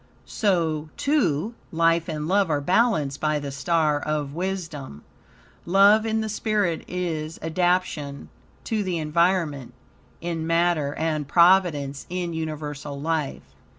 So, too, life and love are balanced by the star of wisdom. Love in the spirit is adaption to the environment in matter and providence in universal life.